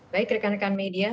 baik rekan rekan media